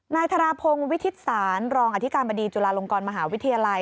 นายธรพงศ์วิทิศศาลรองอธิการบดีจุฬาลงกรมหาวิทยาลัย